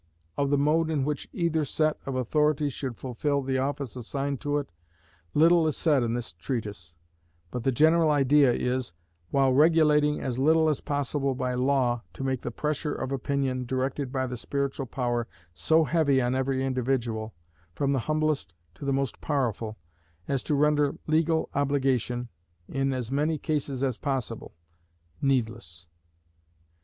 Of the mode in which either set of authorities should fulfil the office assigned to it, little is said in this treatise: but the general idea is, while regulating as little as possible by law, to make the pressure of opinion, directed by the Spiritual Power, so heavy on every individual, from the humblest to the most powerful, as to render legal obligation, in as many cases as possible, needless.